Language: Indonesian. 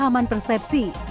dan juga kesalahpahaman persepsi